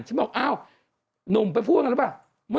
ฉันบอกว่านุ่มไปพ่วงแล้วหรือเปล่า